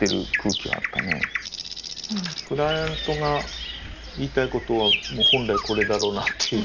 クライアントが言いたいことは本来これだろうなっていう。